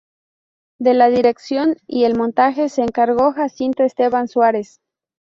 De la dirección y el montaje se encargó Jacinto Esteban Suarez.